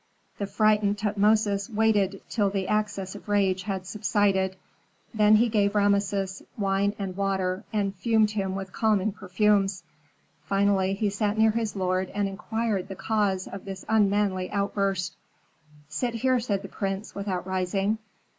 The frightened Tutmosis waited till the access of rage had subsided; then he gave Rameses wine and water, and fumed him with calming perfumes; finally he sat near his lord and inquired the cause of this unmanly outburst. "Sit here," said the prince, without rising.